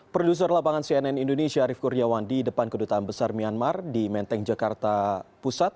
produser lapangan cnn indonesia arief kuryawan di depan kedutaan besar myanmar di menteng jakarta pusat